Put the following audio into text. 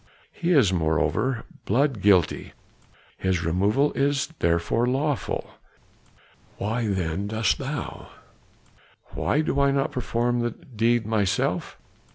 He is moreover blood guilty; his removal is therefore lawful." "Why then dost thou " "Why do I not perform the deed myself?